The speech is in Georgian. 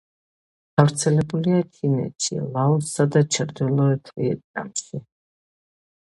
გავრცელებულია ჩინეთში, ლაოსსა და ჩრდილოეთ ვიეტნამში.